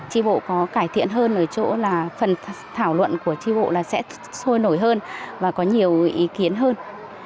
tri bộ có cải thiện hơn ở chỗ là phần thảo luận của tri bộ là sẽ sôi nổi hơn và có nhiều ý kiến hơn